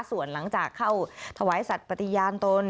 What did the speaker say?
ส่วนหลังจากเข้าถวายสัตว์ปฏิญาณตน